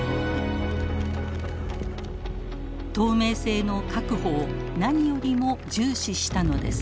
透明性の確保を何よりも重視したのです。